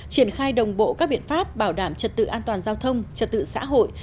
triển khai đồng bộ các biện pháp bảo đảm trật tự an toàn giao thông trật tự xã hội